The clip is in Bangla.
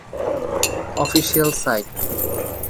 official site